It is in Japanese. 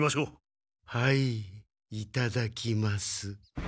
はいいただきます。